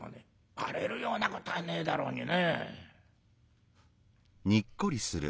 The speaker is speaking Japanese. バレるようなことはねえだろうにね」。